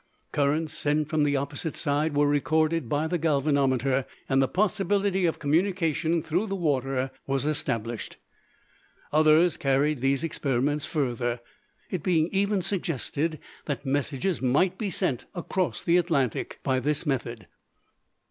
Currents sent from the opposite side were recorded by the galvanometer and the possibility of communication through the water was established. Others carried these experiments further, it being even suggested that messages might be sent across the Atlantic by this method.